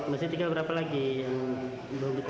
masih tinggal berapa lagi yang belum ditemukan